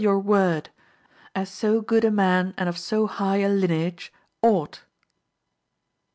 your word, as so good a man and of so high a lineage ought.